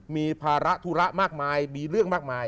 มีภาระธุระมากมายมีเรื่องมากมาย